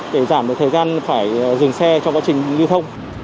để giảm được thời gian phải dừng xe trong quá trình lưu thông